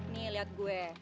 nih lihat gue